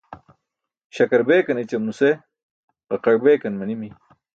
Śakar beekan ećam nuse ġaqaẏ beekan manimi.